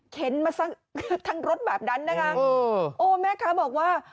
เข็นมาสร้างทั้งรถแบบนั้นนะคะโอ้แม็กซ์ค้าบอกว่า